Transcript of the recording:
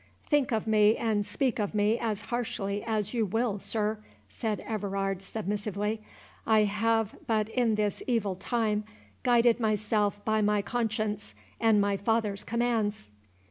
"Think of me and speak of me as harshly as you will, sir," said Everard, submissively. "I have but in this evil time, guided myself by my conscience, and my father's commands."